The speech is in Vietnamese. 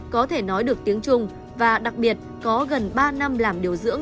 có thể nói được tiếng trung và đặc biệt có gần ba năm làm điều dưỡng